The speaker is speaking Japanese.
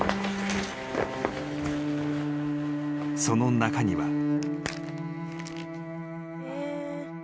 ［その中には］